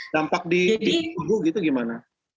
dampak di tubuh itu bagaimana